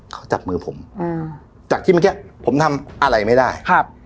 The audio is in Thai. เขาจับมือผมอืมจากที่เมื่อกี้ผมทำอะไรไม่ได้ครับ